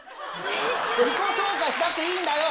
自己紹介しなくていいんだよ！